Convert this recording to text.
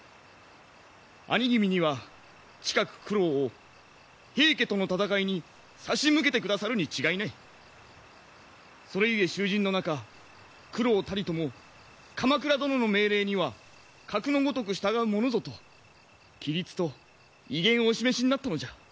兄君には近く九郎を平家との戦いに差し向けてくださるに違いない。それゆえ衆人の中九郎たりとも鎌倉殿の命令にはかくのごとく従うものぞと規律と威厳をお示しになったのじゃ。